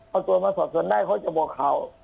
เอาตัวมาสอบสวนได้เขาจะบอกเขา